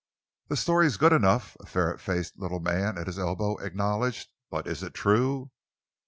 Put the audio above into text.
"The story's good enough," a ferret faced little man at his elbow acknowledged, "but is it true?"